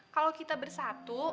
kalau kita bersatu